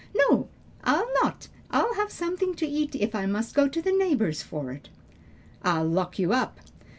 "No, I'll not. I'll have something to eat if I must go to the neighbors for it." "I'll lock you up."